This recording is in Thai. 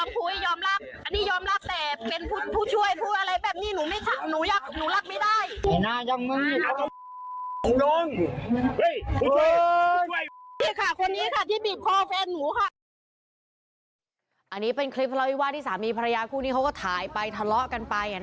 ก็อะไรแบบนี้หนูไม่ชะหนูยักษ์หนูลักไม่ได้